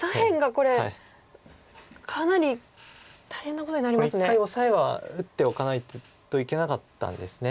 これ一回オサエは打っておかないといけなかったんです。